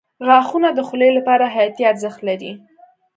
• غاښونه د خولې لپاره حیاتي ارزښت لري.